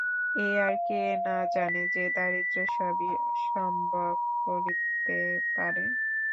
এ আর কে না জানে যে দারিদ্র্য সবই সম্ভব করিতে পারে?